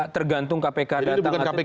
tergantung kpk datang atau tidak